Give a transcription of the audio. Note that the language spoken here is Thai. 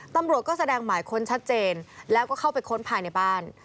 ตำรวจก็แสดงหมายค้นชัดเจนแล้วก็เข้าไปค้นภายในบ้าน